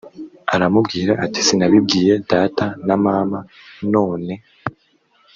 aramubwira ati sinabibwiye data na mama none